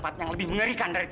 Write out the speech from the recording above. saya tidak memiliki daya